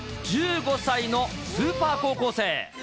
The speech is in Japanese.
１５歳のスーパー高校生。